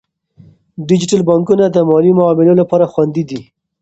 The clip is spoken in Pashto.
ډیجیټل بانکونه د مالي معاملو لپاره خوندي دي.